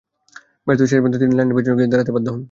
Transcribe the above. ব্যর্থ হয়ে শেষ পর্যন্ত তিনি লাইনের পেছনে গিয়ে দাঁড়াতে বাধ্য হন।